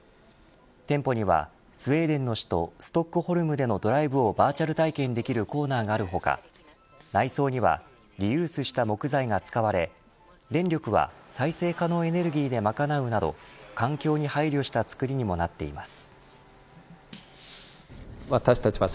店舗にはスウェーデンの首都ストックホルムでのドライブをバーチャル体験できるコーナーがある他内装にはリユースした木材が使われ電力は再生可能エネルギーで賄うなど環境に配慮したつくりにもなっています。